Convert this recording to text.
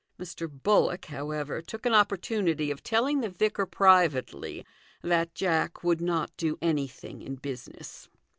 Mr. Bullock, however, took an opportunity of telling the vicar privately that Jack would not do anything in business.